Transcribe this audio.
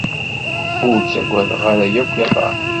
Ur ttagadeɣ ara yakk iḍan.